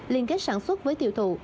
liên kết sản xuất với tiêu thụ